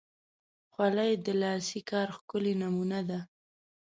خولۍ د لاسي کار ښکلی نمونه ده.